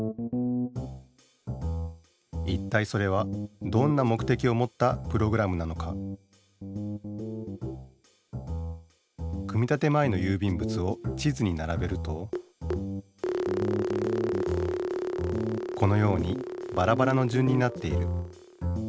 いったいそれはどんな目的をもったプログラムなのか組立前のゆうびんぶつを地図にならべるとこのようにバラバラの順になっている。